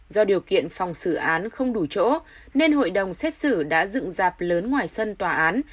do điều kiện phòng xử án không đủ chỗ nên hội đồng xét xử đã dựng dạp lớn ngoài sân tòa án